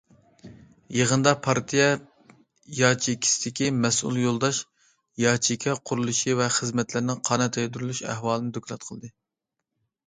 يىغىندا، پارتىيە ياچېيكىسىدىكى مەسئۇل يولداش ياچېيكا قۇرۇلۇشى ۋە خىزمەتلەرنىڭ قانات يايدۇرۇلۇش ئەھۋالىنى دوكلات قىلدى.